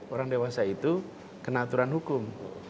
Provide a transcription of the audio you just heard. orang dewasa itu kena aturan hukum